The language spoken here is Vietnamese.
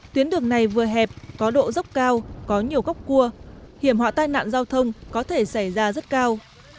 tuyến đường này vừa hẹp có độ dốc cao có nhiều góc cua hiểm họa tai nạn giao thông có thể xảy ra rất cao